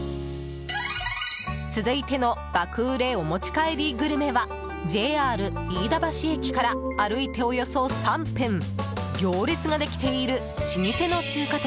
続いての爆売れお持ち帰りグルメはＪＲ飯田橋駅から歩いておよそ３分行列ができている老舗の中華店